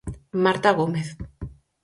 Marta Gómez.